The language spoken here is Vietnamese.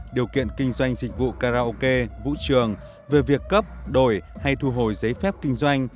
điều kiện kinh doanh dịch vụ karaoke vũ trường về việc cấp đổi hay thu hồi giấy phép kinh doanh